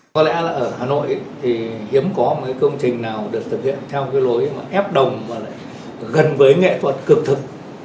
có lẽ là ở hà nội thì hiếm có một công trình nào được thực hiện theo lối ép đồng và gần với nghệ thuật cực thực